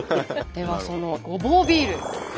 ではそのごぼうビール。